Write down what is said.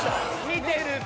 見てるか。